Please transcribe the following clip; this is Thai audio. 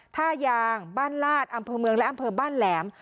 ท่ายางบ้านลาดอำเภอเมืองและอำเภอบ้านแหลม